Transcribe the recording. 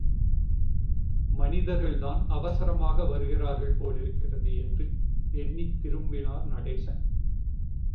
மனிதர்கள்தான் அவசரமாக வருகிறார்கள் போலிருக்கிறது என்று எண்ணித் திரும்பினார் நடேசன்!